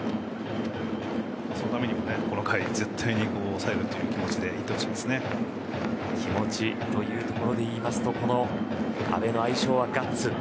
そのためにもこの回、絶対に抑える気持ちで気持ちというところでいうとこの阿部の愛称はガッツ。